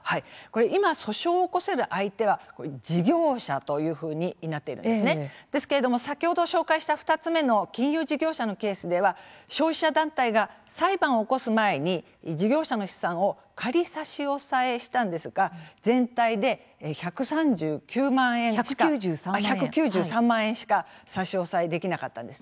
今、訴訟を起こせる相手は事業者となっているんですですけれども先ほど紹介した２つ目の金融事業者のケースでは消費者団体が裁判を起こす前に事業者の資産を仮差し押さえしたんですが全体で１９３万円しか差し押さえできなかったんです。